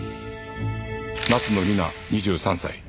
夏野理奈２３歳。